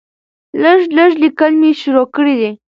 لږ لږ ليکل مې شروع کړي دي